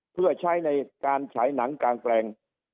เพื่อใช้ในการฉายหนังกลางแปลง